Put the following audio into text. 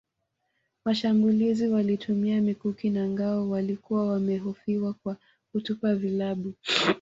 Washambulizi walitumia mikuki na ngao walikuwa wamehofiwa kwa kutupa vilabu